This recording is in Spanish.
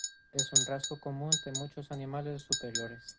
Es un rasgo común de muchos animales superiores.